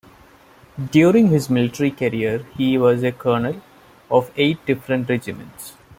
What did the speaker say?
During his military career he was colonel of eight different regiments.